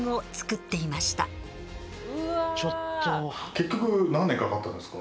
結局何年かかったんですか？